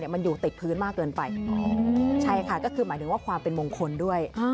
มันอยู่ติดพื้นมากเกินไปใช่ค่ะก็คือหมายถึงว่าความเป็นมงคลด้วย